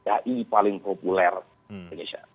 ai paling populer di indonesia